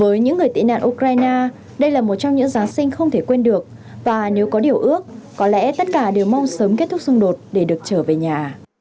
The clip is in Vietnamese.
với những người tị nạn ukraine đây là một trong những giáng sinh không thể quên được và nếu có điều ước có lẽ tất cả đều mong sớm kết thúc xung đột để được trở về nhà